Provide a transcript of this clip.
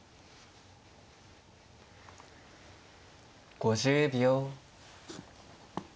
５０秒。